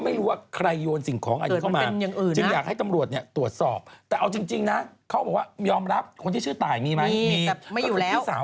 ไม่กินแล้วแต่ไม่กินจริงใช่มะ